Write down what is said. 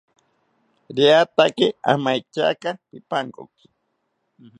Riataki amaetyaka pipankoki